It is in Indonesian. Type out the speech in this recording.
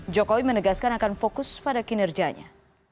jokowi menegaskan akan fokus pada kinerjanya